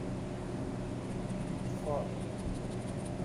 Ḍfeṛ!